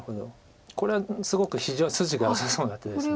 これはすごく筋がよさそうな手です。